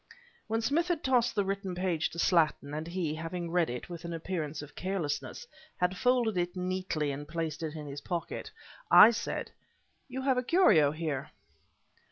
When Smith had tossed the written page to Slattin, and he, having read it with an appearance of carelessness, had folded it neatly and placed it in his pocket, I said: "You have a curio here?"